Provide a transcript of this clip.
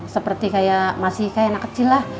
seperti kayak masih kayak anak kecil lah